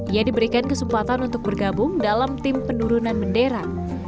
ia diberikan kesempatan untuk bergabung dalam tim penurunan bendera